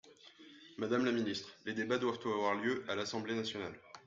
Madame la ministre, les débats doivent avoir lieu à l’Assemblée nationale.